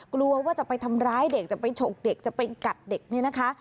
กลัวว่าจะไปทำร้ายเด็กจะไปฉกเด็กจะไปกัดเด็กเนี่ยนะคะ